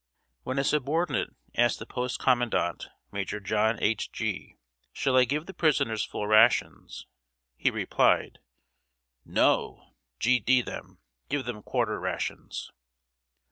When a subordinate asked the post Commandant, Major John H. Gee, "Shall I give the prisoners full rations?" he replied: "No, G d d n them, give them quarter rations!"